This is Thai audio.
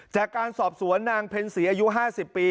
จากการสอบสวนนางเพ็ญศรีอายุ๕๐ปี